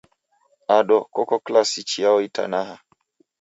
Ado, koko kilasi chiyao itanaha?